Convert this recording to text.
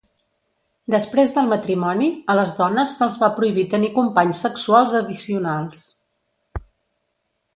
Després del matrimoni, a les dones se'ls va prohibir tenir companys sexuals addicionals.